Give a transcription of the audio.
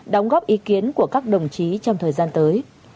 đóng góp ý kiến của các đồng chí trong thời gian tới